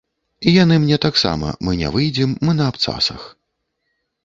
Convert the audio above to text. І яны мне таксама, мы не выйдзем, мы на абцасах.